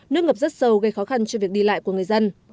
nước ngập rất sâu gây khó khăn cho việc đi lại của người dân